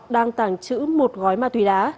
đang tàng trữ một gói ma túy đá